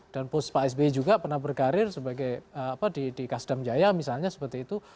dan pos pak sbe juga pernah berkarir sebagai di kas damjaya misalnya seperti itu